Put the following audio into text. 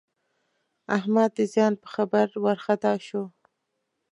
احمد د زیان په خبر وارخطا شو.